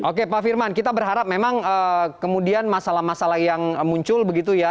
oke pak firman kita berharap memang kemudian masalah masalah yang muncul begitu ya